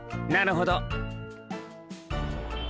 なるほど。